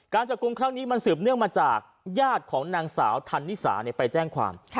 จับกลุ่มครั้งนี้มันสืบเนื่องมาจากญาติของนางสาวธันนิสาไปแจ้งความ